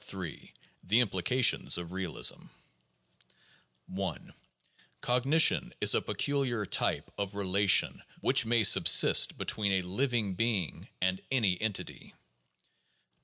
The Implications of Realism: 1. Cognition is a peculiar type of relation which may subsist between a living being and any entity.